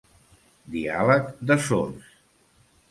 Diàleg de sords.